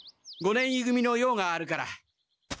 五年い組の用があるから。